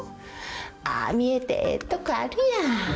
ああ見えてええとこあるやん。